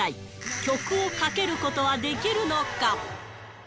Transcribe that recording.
曲をかけることはできるのか。